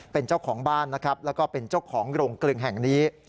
เป็นเจ้าของบ้านและเป็นเจ้าของโรงกลึงแห่งนี้